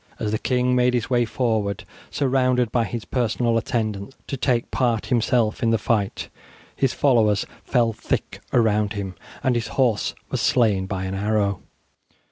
As the king made his way forward, surrounded by his personal attendants to take part himself in the fight, his followers fell thick around him, and his horse was slain by an arrow.